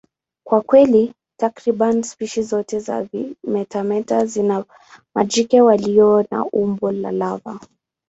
Kwa kweli, takriban spishi zote za vimetameta zina majike walio na umbo la lava.